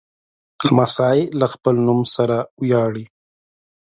لمسی له خپل نوم سره ویاړي.